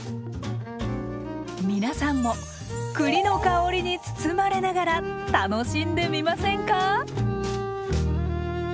皆さんも栗の香りに包まれながら楽しんでみませんか？